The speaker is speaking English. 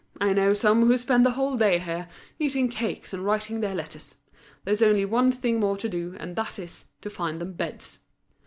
I know some who spend the whole day here, eating cakes and writing their letters. There's only one thing more to do, and that is, to find them beds."